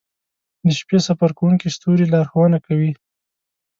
• د شپې سفر کوونکي ستوري لارښونه کوي.